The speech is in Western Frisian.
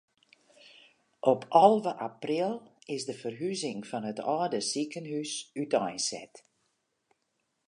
Op alve april is de ferhuzing fan it âlde sikehûs úteinset.